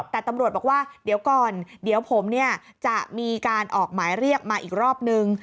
แต่ตำรวจบอกว่าเดี๋ยวก่อนเดี๋ยวผมจะมีการออกหมายเรียกมาอีกรอบนึง